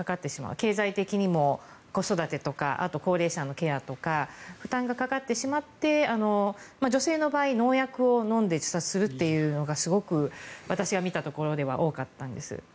経済的にも子育てとか高齢者のケアとか負担がかかってしまって女性の場合農薬を飲んで自殺するというのがすごく私が見たところでは多かったんです。